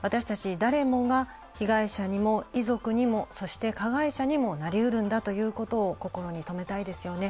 誰もが被害者にも遺族にもそして加害者にもなりうるんだということを心にとめたいですよね。